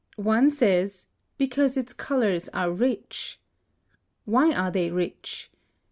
One says "because its colors are rich." Why are they rich?